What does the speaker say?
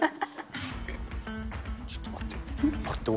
ちょっと待って。